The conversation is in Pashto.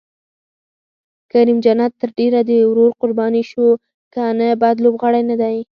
کریم جنت تر ډېره د ورور قرباني شو، که نه بد لوبغاړی نه دی.